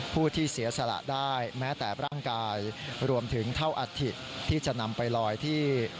ผู้ที่เสียสละได้แม้แต่ร่างกายรวมถึงเท่าอัฐิที่จะนำไปลอยที่